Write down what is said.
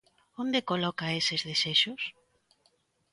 ¿Onde coloca eses desexos?